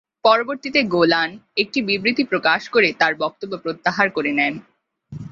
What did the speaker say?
পরবর্তীতে গোলান একটি বিবৃতি প্রকাশ করে তার বক্তব্য প্রত্যাহার করে নেন।